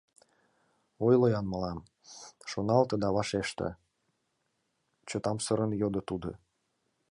— Ойло-ян мылам, шоналте да вашеште, — чытамсырын йодо тудо.